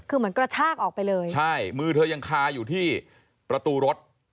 คือเหมือนกระชากออกไปเลยใช่มือเธอยังคาอยู่ที่ประตูรถ